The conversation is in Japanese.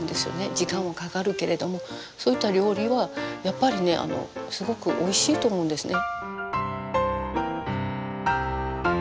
時間はかかるけれどもそういった料理はやっぱりねすごくおいしいと思うんですね。